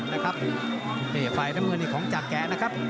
นี่ฝ่ายน้ำเงินนี่ของจากแกนะครับ